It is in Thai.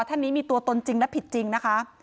ท่านนี้มีตัวตนจริงและผิดจริงนะคะ